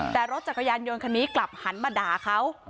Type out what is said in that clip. แต่รถจักรยานยนต์คันนี้กลับหันมาด่าเขา